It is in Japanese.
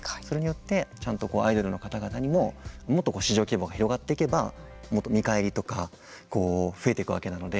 それによってちゃんとアイドルの方々にももっと市場規模が広がっていけば見返りとか増えていくわけなので。